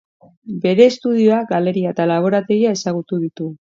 Bere estudioa, galeria eta laborategia ezagutu ditugu.